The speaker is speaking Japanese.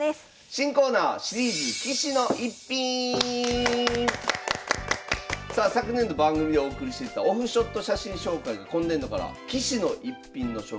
新コーナーシリーズさあ昨年度番組でお送りしてきたオフショット写真紹介が今年度から「棋士の逸品」の紹介になります。